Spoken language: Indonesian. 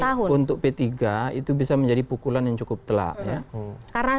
saya khawatir ini untuk p tiga itu bisa menjadi pukulan yang cukup telak ya